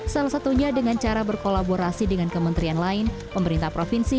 salah satunya dengan cara berkolaborasi dengan kementerian lain pemerintah provinsi